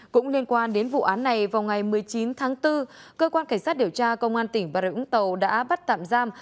cũng liên quan đến vụ án này vào ngày một mươi chín tháng bốn cơ quan cảnh sát điều tra công an tỉnh bà rịa úng tàu đã bắt tạm giam